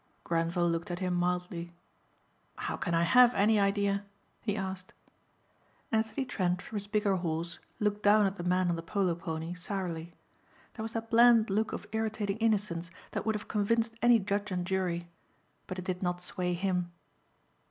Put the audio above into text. Grenvil looked at him mildly. "How can I have any idea?" he asked. Anthony Trent from his bigger horse looked down at the man on the polo pony sourly. There was that bland look of irritating innocence that would have convinced any judge and jury. But it did not sway him.